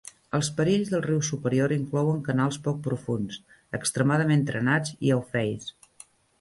Els perills del riu superior inclouen canals poc profunds, extremadament trenats i aufeis.